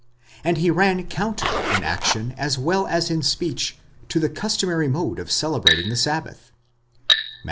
and he ran counter in action as well as in speech to the customary mode of celebrating the Sabbath (Matt.